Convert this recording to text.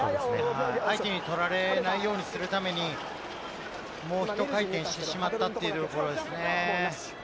相手に取られないようにするために、もう１回転してしまったというところですね。